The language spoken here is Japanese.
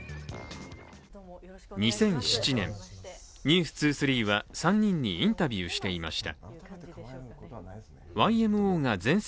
２００７年、「ＮＥＷＳ２３」は３人にインタビューしていました。